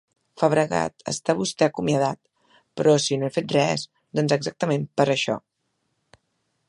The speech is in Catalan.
-Fabregat, està vostè acomiadat. -Però si no he fet res! -Doncs exactament, per això.